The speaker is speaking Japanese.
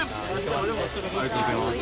ありがとうございます。